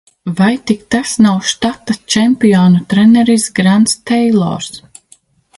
Vai tikai tas nav štata čempionu treneris Grants Teilors?